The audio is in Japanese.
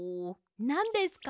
なんですか？